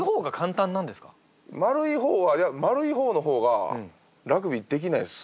そもそも丸い方はいや丸い方の方がラグビーできないっす。